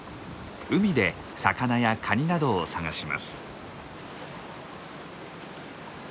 海で魚やカニなどを探します。